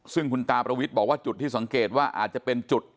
ซึ่งคุณตาประวิทย์บอกว่าจุดที่สังเกตว่าอาจจะเป็นจุด